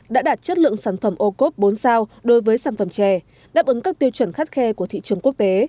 đã đạt chất lượng sản phẩm ô cốp bốn sao đối với sản phẩm chè đáp ứng các tiêu chuẩn khắt khe của thị trường quốc tế